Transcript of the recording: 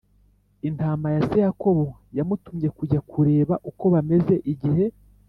intama za se Yakobo yamutumye kujya kureba uko bameze Igihe